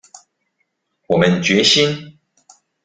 我們決心